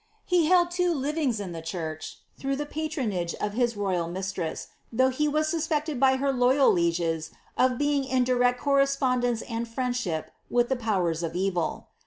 He held two liringa in the church, through the patronage of his royal mistress, though he was suspected by her loyal lieges of being in direct corre ipnndence and friendship with the powers of evil.